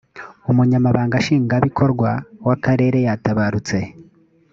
umunyamabanga nshingabikorwa w akarere yatabarutse